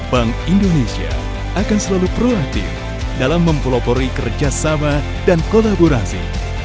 bank indonesia akan selalu proaktif dalam mempelopori kerjasama dan kolaborasi